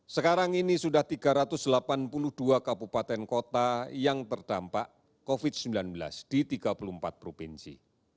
sekarang ini sudah tiga ratus delapan puluh dua kabupaten kota yang terdampak covid sembilan belas di tiga puluh empat provinsi